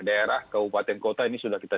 daerah kabupaten kota ini sudah kita